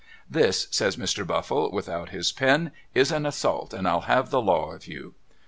' This,' says Mr. Ikitfle without his ])en ' is an assault and I'll have the law of you.'